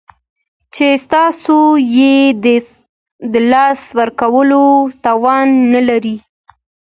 چې تاسو یې د لاسه ورکولو توان نلرئ